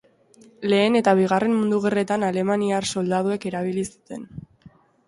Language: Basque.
Lehen eta Bigarren Mundu Gerretan alemaniar soldaduek erabili zuten.